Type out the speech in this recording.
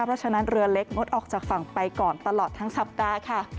เพราะฉะนั้นเรือเล็กงดออกจากฝั่งไปก่อนตลอดทั้งสัปดาห์ค่ะ